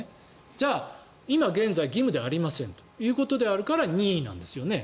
じゃあ、今現在、義務ではありませんということだから任意なんですよね。